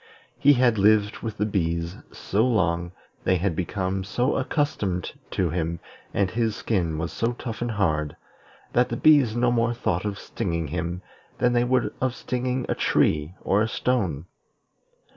He had lived with the bees so long, they had become so accustomed to him, and his skin was so tough and hard, that the bees no more thought of stinging him than they would of stinging a tree or a stone.